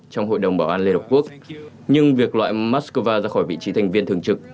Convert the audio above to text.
trong hội đồng bảo an liên hợp quốc nhưng việc loại moscow ra khỏi vị trí thành viên thường trực